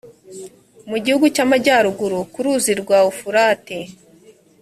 mu gihugu cy’amajyaruguru ku ruzi rwa ufurate